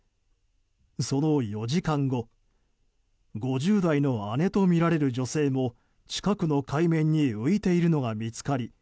その４時間後５０代の姉とみられる女性も近くの海面に浮いているのが見つかり